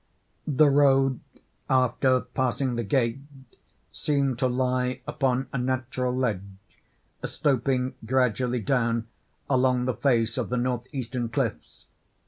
The road, after passing the gate, seemed to lie upon a natural ledge, sloping gradually down along the face of the north eastern cliffs.